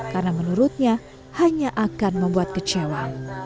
karena menurutnya hanya akan membuat kecewa